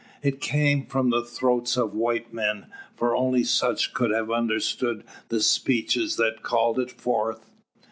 It came from the throats of white men: for only such could have understood the speeches that called it forth.